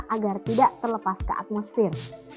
agar tidak terlepas ke atmosfer